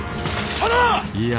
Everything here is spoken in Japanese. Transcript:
殿！